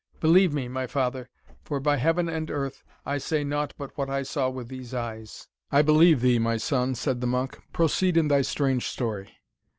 Believe me, my father, for, by heaven and earth, I say nought but what I saw with these eyes!" "I believe thee, my son," said the monk; "proceed in thy strange story."